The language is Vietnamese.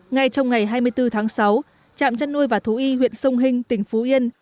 ngay trong ngày hai mươi bốn tháng sáu trạm chăn nuôi và thú y huyện sông hinh tỉnh phú yên